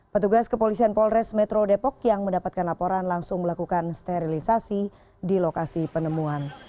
petugas kepolisian polres metro depok yang mendapatkan laporan langsung melakukan sterilisasi di lokasi penemuan